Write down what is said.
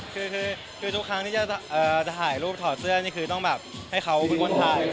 คือทุกครั้งที่จะถ่ายรูปถอดเสื้อนี่คือต้องแบบให้เขาเป็นคนถ่าย